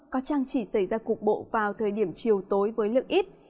có trăng chỉ xảy ra cục bộ vào thời điểm chiều tối với lượng ít